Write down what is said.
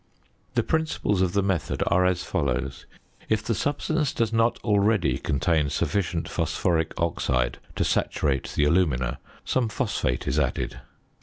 The principles of the method are as follows: If the substance does not already contain sufficient phosphoric oxide to saturate the alumina, some phosphate is added.